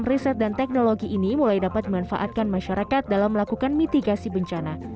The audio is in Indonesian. berbagai macam riset dan teknologi ini mulai dapat memanfaatkan masyarakat dalam melakukan mitigasi bencana